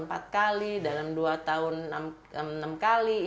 empat kali dalam dua tahun enam kali